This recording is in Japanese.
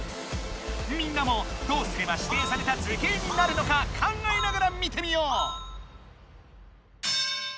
みんなもどうすればしていされた図形になるのか考えながら見てみよう！